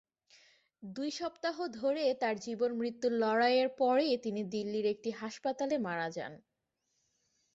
দুই সপ্তাহ ধরে তার জীবন-মৃত্যুর লড়াইয়ের পরে তিনি দিল্লির একটি হাসপাতালে মারা যান।